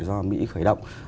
do mỹ khởi động